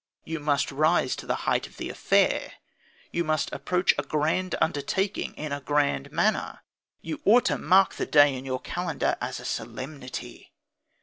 You must rise to the height of the affair. You must approach a grand undertaking in the grand manner. You ought to mark the day in the calendar as a solemnity.